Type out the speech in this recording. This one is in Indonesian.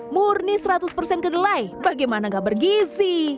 murni seratus persen kedelai bagaimana gak bergizi